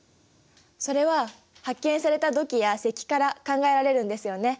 それは発見された土器や石器から考えられるんですよね？